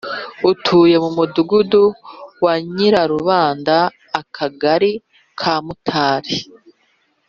utuye mu Mudugudu wa Nyarubanda Akagali ka mutari